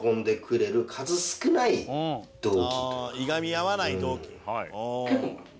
「ああいがみ合わない同期」